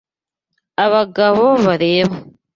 Abagabo bareba